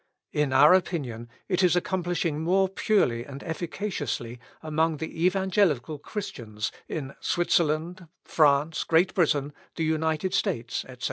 In our opinion, it is accomplishing it more purely and efficaciously among the evangelical Christians in Switzerland, France, Great Britain, the United States, etc.